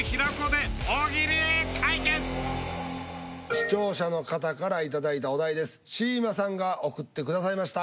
視聴者の方からいただいたお題です雉間さんが送ってくださいました。